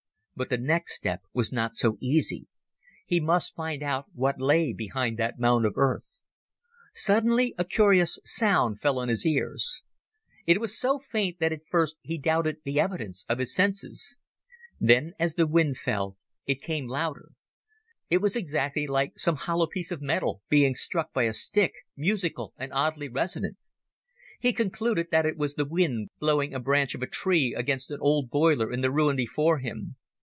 But the next step was not so easy. He must find out what lay behind that mound of earth. Suddenly a curious sound fell on his ears. It was so faint that at first he doubted the evidence of his senses. Then as the wind fell it came louder. It was exactly like some hollow piece of metal being struck by a stick, musical and oddly resonant. He concluded it was the wind blowing a branch of a tree against an old boiler in the ruin before him.